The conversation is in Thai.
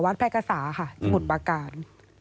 วันพระกษาค่ะที่หมุนปากการ